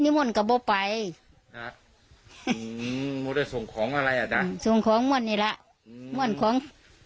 ทั้งหมด๕ของอะไรส่งของตอนนี้ละมันของ